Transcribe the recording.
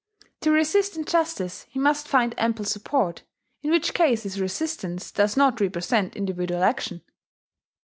To resist injustice he must find ample support, in which case his resistance does not represent individual action.